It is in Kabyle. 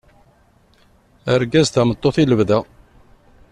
Argaz tameṭṭut i lebda.